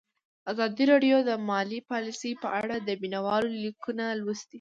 ازادي راډیو د مالي پالیسي په اړه د مینه والو لیکونه لوستي.